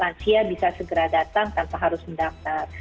lansia bisa segera datang tanpa harus mendaftar